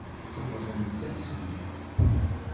Tesseṛɣemt-asen-t.